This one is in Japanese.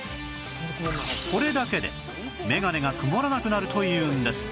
これだけでメガネが曇らなくなるというんです